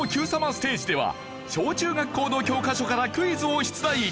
ステージでは小中学校の教科書からクイズを出題。